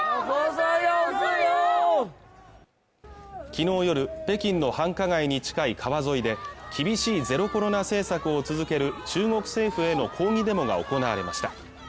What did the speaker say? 昨日夜北京の繁華街に近い川沿いで厳しいゼロコロナ政策を続ける中国政府への抗議デモが行われました